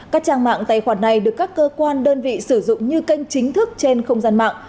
các trang mạng tài khoản này được các cơ quan đơn vị sử dụng như kênh chính thức trên không gian mạng